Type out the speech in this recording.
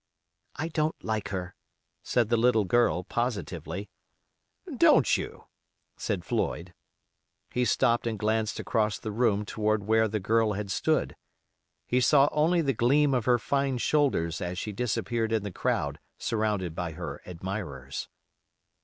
"I don't like her," said the little girl, positively. "Don't you?" said Floyd. He stopped and glanced across the room toward where the girl had stood. He saw only the gleam of her fine shoulders as she disappeared in the crowd surrounded by her admirers.